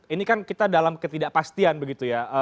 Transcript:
ini kan kita dalam ketidakpastian begitu ya